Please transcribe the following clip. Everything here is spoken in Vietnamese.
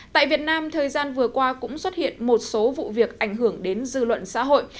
tại việt nam thời gian vừa qua cũng xuất hiện một số vụ việc ảnh hưởng đến dư luận xã hội